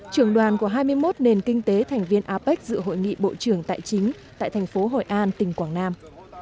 trưởng đoàn của hai mươi một nền kinh tế thành viên apec dự hội nghị bộ trưởng tài chính tại thành phố hội an tỉnh quảng nam